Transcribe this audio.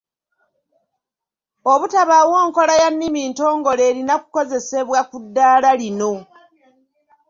Obutabaawo nkola ya nnimi ntongole erina kukozesebwa ku ddaala lino.